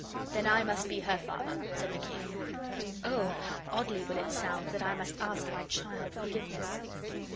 "Then I must be her father," said the king; "but, oh, how oddly will it sound, that I must ask my child forgiveness."